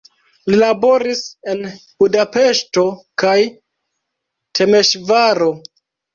Li laboris en Budapeŝto kaj Temeŝvaro.